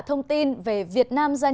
chúng tôi làm việc cho các bạn